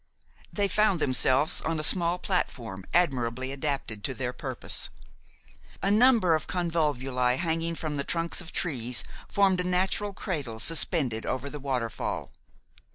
They found themselves on a small platform admirably adapted to their purpose. A number of convolvuli hanging from the trunks of trees formed a natural cradle suspended over the waterfall.